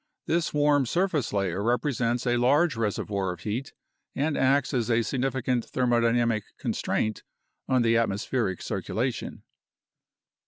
This warm surface layer represents a large reservoir of heat and acts as a significant thermodynamic constraint on the atmospheric circulation.